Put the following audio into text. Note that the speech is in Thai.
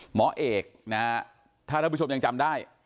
หมอเอกนะฮะถ้าท่านผู้ชมยังจำได้